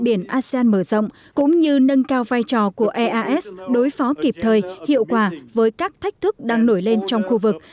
biển asean mở rộng cũng như nâng cao vai trò của eas đối phó kịp thời hiệu quả với các thách thức đang nổi lên trong khu vực